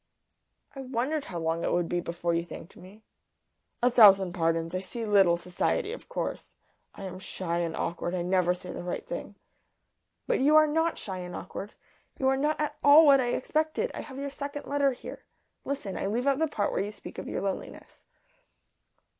"I wondered how long it would be before you thanked me." "A thousand pardons. I see little society, of course. I am shy and awkward. I never say the right thing." "But you are not shy and awkward. You are not at all what I expected. I have your second letter here. Listen. I leave out the part where you speak of your loneliness."